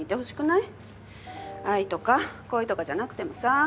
愛とか恋とかじゃなくてもさ。